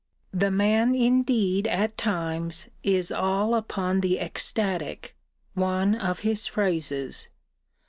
The man indeed at times is all upon the ecstatic; one of his phrases.